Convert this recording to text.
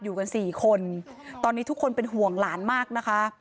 อยู่กันสี่คนตอนนี้ทุกคนเป็นห่วงหลานมากนะคะ